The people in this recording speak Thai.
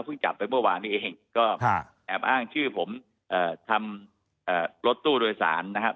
จับไปเมื่อวานนี้เองก็แอบอ้างชื่อผมทำรถตู้โดยสารนะครับ